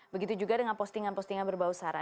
begitu juga dengan postingan postingan berbau sara